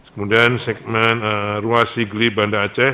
kemudian segmen ruas sigli banda aceh